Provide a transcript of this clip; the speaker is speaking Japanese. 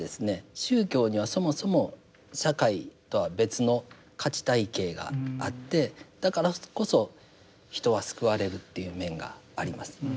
宗教にはそもそも社会とは別の価値体系があってだからこそ人は救われるっていう面があります。